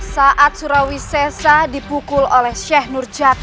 saat surawisesa dipukul oleh syekh nurjad